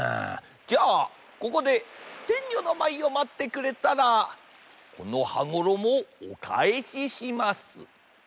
じゃあここでてんにょのまいをまってくれたらこの羽衣をおかえしします。